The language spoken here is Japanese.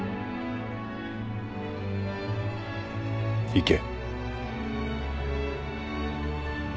行け。